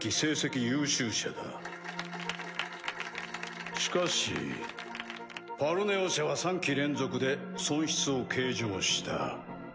パチパチパチしかし「パルネオ社」は３期連続で損失を計上した。